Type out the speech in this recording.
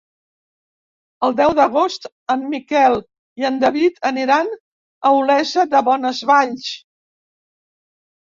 El deu d'agost en Miquel i en David aniran a Olesa de Bonesvalls.